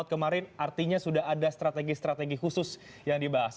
kemarin artinya sudah ada strategi strategi khusus yang dibahas